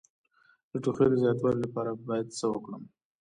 د ټوخي د زیاتوالي لپاره باید څه وکړم؟